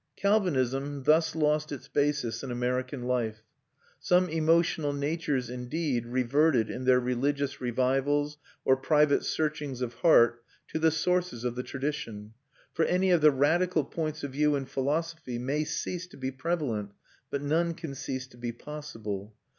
Calvinism thus lost its basis in American life. Some emotional natures, indeed, reverted in their religious revivals or private searchings of heart to the sources of the tradition; for any of the radical points of view in philosophy may cease to be prevalent, but none can cease to be possible.